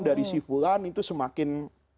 dari sifulan itu semakin